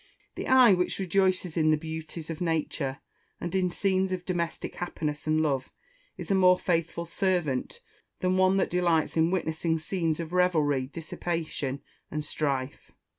The Eye which rejoices in the beauties of nature, and in scenes of domestic happiness and love, is a more faithful servant than one that delights in witnessing scenes of revelry, dissipation, and strife.